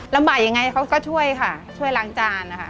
มายังไงเขาก็ช่วยค่ะช่วยล้างจานนะคะ